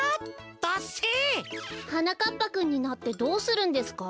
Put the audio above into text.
ダッセえ！はなかっぱくんになってどうするんですか？